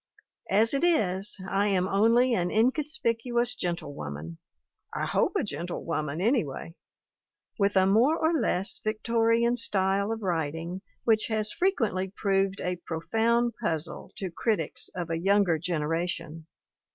As it is, I am only an in conspicuous gentlewoman I hope a gentlewoman any way! with a more or less Victorian style of writing which has frequently proved a profound puzzle to critics of a younger generation.